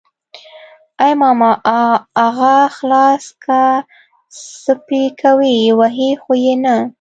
ای ماما اغه خلاص که څه پې کوي وهي خو يې نه.